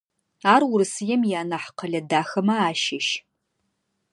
Ар Урысыем ианахь къэлэ дахэмэ ащыщ.